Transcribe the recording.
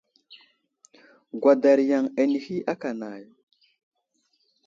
Gwadar yaŋ anehi aka nay.